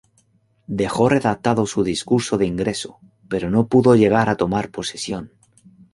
Dejó redactado su discurso de ingreso, pero no pudo llegar a tomar posesión.